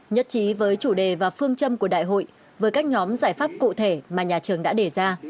nhất trí với chủ đề và phương châm của đại hội với các nhóm giải pháp cụ thể mà nhà trường đã đề ra